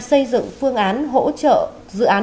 xây dựng phương án hỗ trợ dự án